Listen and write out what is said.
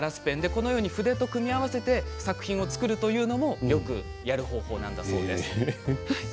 このように筆と組み合わせた作品を作るというのもよくやる方法なんだそうです。